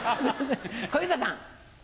小遊三さん。